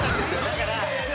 だから。